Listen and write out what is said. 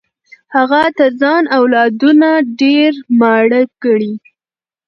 هغه تر ځان اولادونه ډېر ماړه ګڼي.